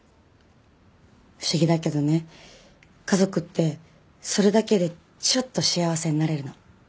不思議だけどね家族ってそれだけでちょっと幸せになれるの。